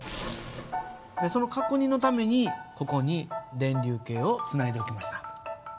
その確認のためにここに電流計をつないでおきました。